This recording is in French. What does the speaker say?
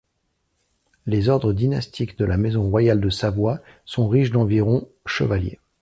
Les ordres dynastiques de la maison royale de Savoie sont riches d'environ chevaliers.